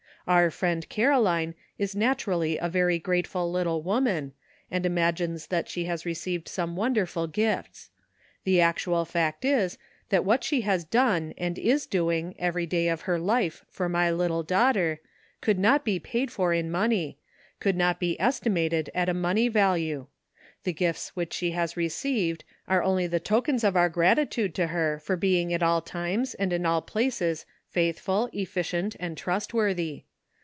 *'Our friend Caroline is naturally a very grateful little woman, and imagines that she has received some wonderful gifts. The actual fact is that what she has done and is doing every day of her life for my little daughter could not be paid for in money, could not be estimated at a money value. The gifts which she has received are only the tokens of our 328 ''LUCK." gratitude to her for being at all times and in all places faithful, efficient and trustworthy.